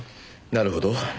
なるほど。